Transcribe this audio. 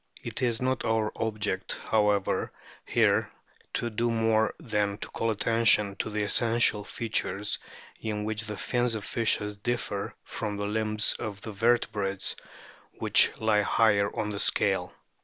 It is not our object, however, here to do more than to call attention to the essential features in which the fins of fishes differ from the limbs of the vertebrates which lie higher in the scale.